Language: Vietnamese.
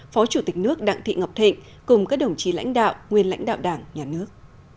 phó chủ tịch nước đặng thị ngọc thịnh cùng các đồng chí lãnh đạo nguyên lãnh đạo đảng nhà nước